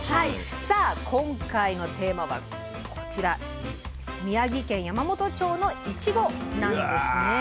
さあ今回のテーマはこちら宮城県山元町のいちごなんですね。